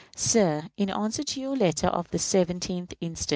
Sir: In answer to your letter of the 17th inst.